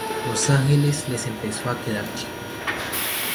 Los Ángeles les empezó a quedar chico.